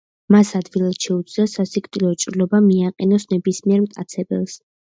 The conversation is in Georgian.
მას ადვილად შეუძლია სასიკვდილო ჭრილობა მიაყენოს ნებისმიერ მტაცებელს.